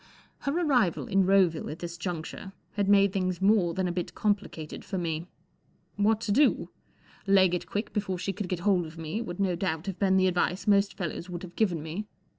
Her arrival in Roville at this juncture had made things more than a bit complicated forme. What to do? Leg it quick be¬ fore she could get hold of me* would no doubt have been the advice most fei^ lows would have given me.